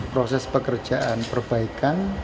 proses pekerjaan perbaikan